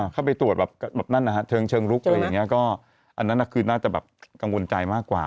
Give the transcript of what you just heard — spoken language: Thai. เข้าไปตรวจแบบเชิงลุกอันนั้นคือน่าจะกังวลใจมากกว่า